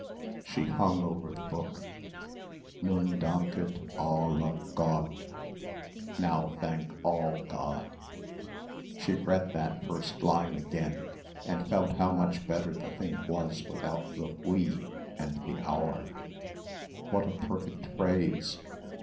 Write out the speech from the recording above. She hung over the book. "Nun dank et Al le Gott." Now thank all God. She read that first line again and felt how much better the thing was without the "we" and the "our." What a perfect phrase....